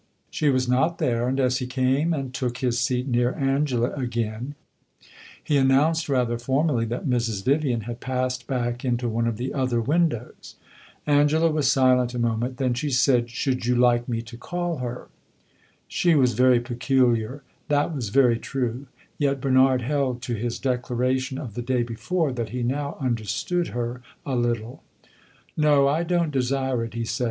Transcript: She was not there, and as he came and took his seat near Angela again, he announced, rather formally, that Mrs. Vivian had passed back into one of the other windows. Angela was silent a moment then she said "Should you like me to call her?" She was very peculiar that was very true; yet Bernard held to his declaration of the day before that he now understood her a little. "No, I don't desire it," he said.